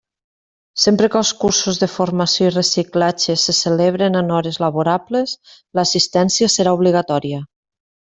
Sempre que els cursos de formació i reciclatge se celebren en hores laborables, l'assistència serà obligatòria.